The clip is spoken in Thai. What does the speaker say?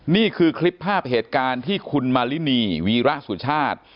นี่คือคลิปภาพเหตุการณ์ที่คุณมารินีวีระสุชาติ